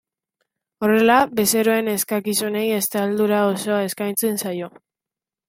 Horrela bezeroen eskakizunei estaldura osoa eskaintzen zaio.